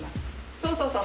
そうそうそう。